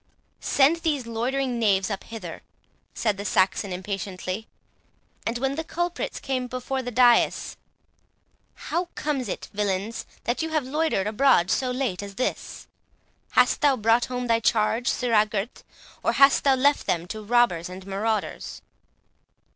"Send these loitering knaves up hither," said the Saxon, impatiently. And when the culprits came before the dais,—"How comes it, villains! that you have loitered abroad so late as this? Hast thou brought home thy charge, sirrah Gurth, or hast thou left them to robbers and marauders?"